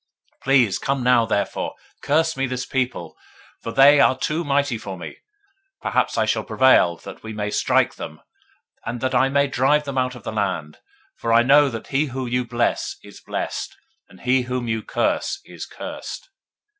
022:006 Please come now therefore curse me this people; for they are too mighty for me: peradventure I shall prevail, that we may strike them, and that I may drive them out of the land; for I know that he whom you bless is blessed, and he whom you curse is cursed.